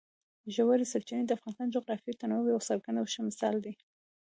ژورې سرچینې د افغانستان د جغرافیوي تنوع یو څرګند او ښه مثال دی.